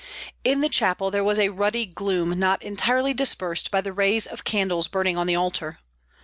In the chapel there was a ruddy gloom not entirely dispersed by the rays of candles burning on the altar.